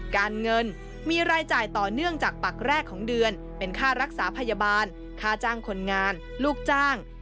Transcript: การเงินมีรายจ่ายต่อเนื่องจากปักแรกของเดือนเป็นค่ารักษาพยาบาลค่าจ้างคนงานลูกจ้าง